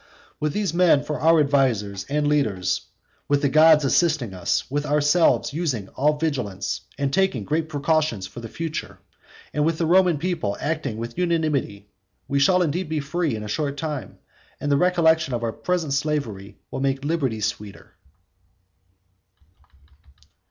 With these men for our advisers and leaders, with the gods assisting us, with ourselves using all vigilance and taking great precautions for the future, and with the Roman people acting with unanimity, we shall indeed be free in a short time, and the recollection of our present slavery will make liberty sweeter.